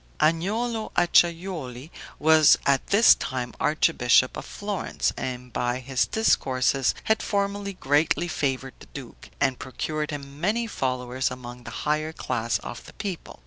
Agnolo Acciajuoli was at this time archbishop of Florence, and by his discourses had formerly greatly favored the duke, and procured him many followers among the higher class of the people.